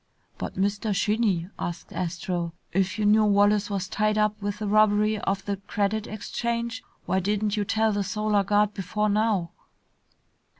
"But, Mr. Shinny," asked Astro, "if you knew Wallace was tied up with the robbery of the Credit Exchange, why didn't you tell the Solar Guard before now?"